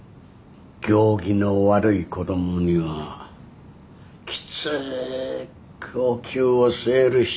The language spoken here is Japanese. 行儀の悪い子供にはきつくおきゅうを据える必要がある。